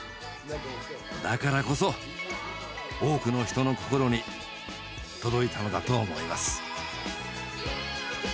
だからこそ多くの人の心に届いたのだと思います。